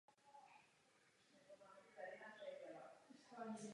Soubor vystupuje zásadně v dobových kostýmech.